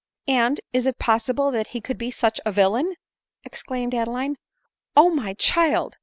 . r " And is it possible that he could be such a villain ?" t exclaimed Adeline. " Oh my child